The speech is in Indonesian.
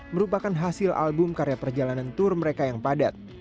merupakan hasil album karya perjalanan tour mereka yang padat